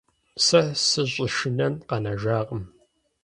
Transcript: Сэ сыщӏэшынэн къэнэжакъым.